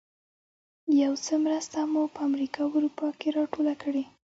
یو څه مرسته مو په امریکا او اروپا کې راټوله کړې.